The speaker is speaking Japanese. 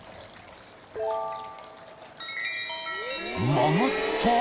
［曲がった？